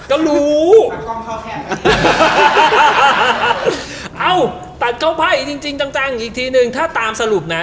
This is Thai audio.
ก็รู้ตัดกล้องไพ่จริงจริงจังจังอีกทีหนึ่งถ้าตามสรุปน่ะ